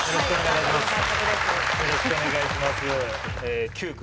よろしくお願いします